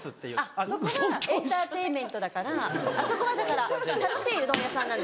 あっそこはエンターテインメントだからあそこはだから楽しいうどん屋さんなんです。